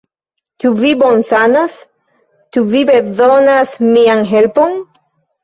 Ĉu vi bonsanas? Ĉu vi bezonas mian helpon?